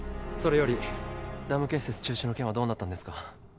それよりダム建設中止の件はどうなったんですか？